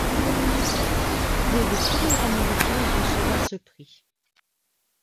Il est le premier Américain à recevoir ce Prix.